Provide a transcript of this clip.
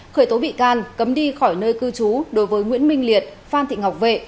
khởi tố bị can cấm đi khỏi nơi cư trú đối với nguyễn minh liệt phan thị ngọc vệ